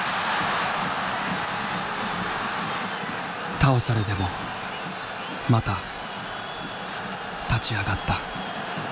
倒されてもまた立ち上がった。